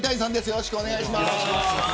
よろしくお願いします。